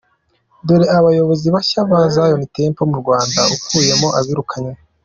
Dore abayobozi bashya ba Zion Temple mu Rwanda ukuyemo abirukanywe.